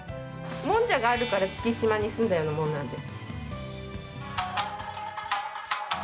もんじゃがあるから月島に住んだようなもんなんで。